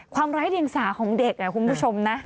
ไร้เดียงสาของเด็กคุณผู้ชมนะ